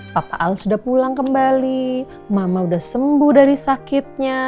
papa al sudah pulang kembali mama sudah sembuh dari sakitnya